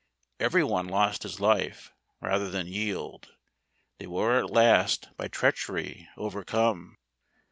Every one lost his life, rather than yield. They were at last by treachery overcome.